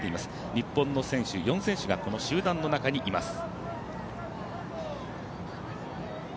日本の選手、４選手がこの集団の中にいます。